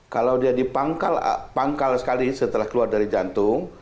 kalau dia dipangkal sekali setelah keluar dari jantung